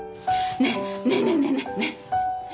ねえねえねえねえ。